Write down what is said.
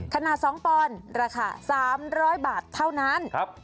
ขนาด๒ปอนด์ราคา๓๐๐บาทเท่านั้น